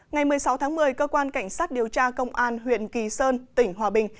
ngày một mươi sáu tháng một mươi cơ quan cảnh sát điều tra công an huyện kỳ sơn tỉnh hòa bình